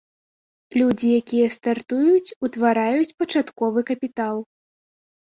Людзі, якія стартуюць, утвараюць пачатковы капітал.